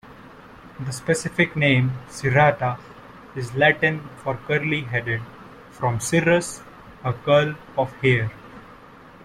The specific name "cirrhata" is Latin for "curly-headed", from "cirrus", a curl of hair.